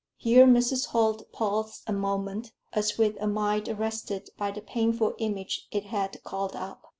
Here Mrs. Holt paused a moment, as with a mind arrested by the painful image it had called up.